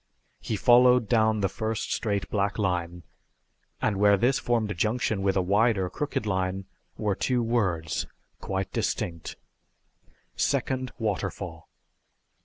He followed down the first straight black line, and where this formed a junction with a wider crooked line were two words quite distinct: "Second waterfall."